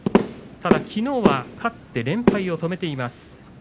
きのうは勝って連敗を止めています。